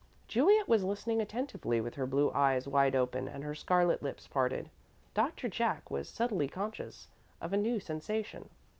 Juliet was listening attentively, with her blue eyes wide open and her scarlet lips parted. Doctor Jack was subtly conscious of a new sensation.